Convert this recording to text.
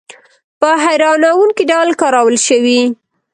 په هیرانوونکې ډول کارول شوي.